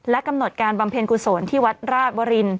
กำหนดการบำเพ็ญกุศลที่วัดราชวริน